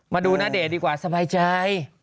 ณเดชน์ดีกว่าสบายใจ